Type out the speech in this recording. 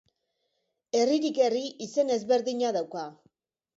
Herririk herri izen ezberdina dauka.